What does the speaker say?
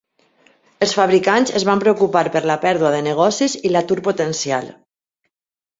Els fabricants es van preocupar per la pèrdua de negocis i l'atur potencial.